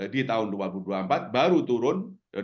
di tahun dua ribu dua puluh empat baru turun